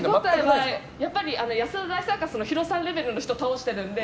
手ごたえはやっぱり安田大サーカスのヒロさんレベルの人を倒してるので。